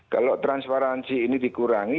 kalau transparansi ini dikurangi